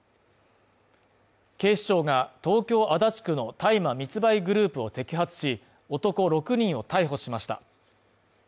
警視庁が東京・足立区の大麻密売グループを摘発し、男６人を逮捕しました。